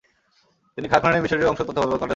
তিনি খাল খননের মিশরীয় অংশ তত্ত্বাবধান করতে রাজি হন।